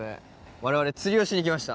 我々釣りをしに来ました。